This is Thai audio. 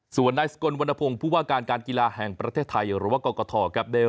ส่วนนายสกลวรรณพงศ์ผู้ว่าการการกีฬาแห่งประเทศไทยหรือว่ากรกฐครับ